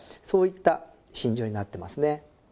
そういった真薯になってますね。